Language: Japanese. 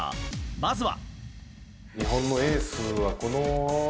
まずは。